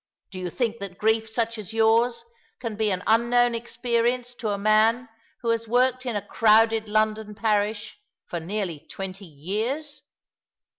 Do you think that grief such as yours can be an unknown experience to a man who has worked in a crowded London parish for nearly twenty years